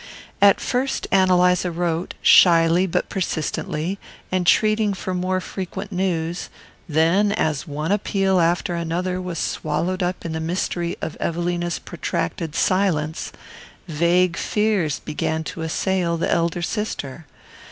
At first Ann Eliza wrote, shyly but persistently, entreating for more frequent news; then, as one appeal after another was swallowed up in the mystery of Evelina's protracted silence, vague fears began to assail the elder sister.